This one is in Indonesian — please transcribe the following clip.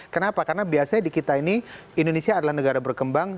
kenapa karena biasanya di kita ini indonesia adalah negara berkembang